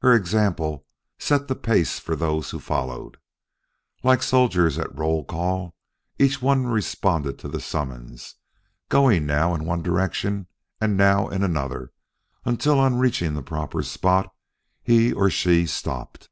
Her example set the pace for those who followed. Like soldiers at roll call, each one responded to the summons, going now in one direction and now in another until on reaching the proper spot he or she stopped.